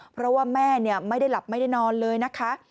เพราะว่าแม่ไม่ได้หลับไม่ได้นอนเลยนะคะ